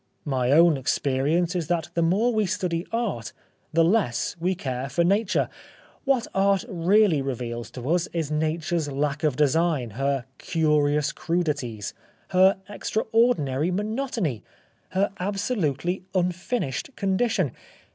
My own experience is that the more we study Art, the less we care for Nature. What Art really reveals to us is Nature's lack of design, her curious crudities, her extraordinary monotony, her absolutely 98 The Life of Oscar Wilde unfinished condition.